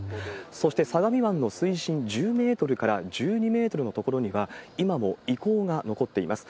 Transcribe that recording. そして、相模湾の水深１０メートルから１２メートルの所には、今も遺構が残っています。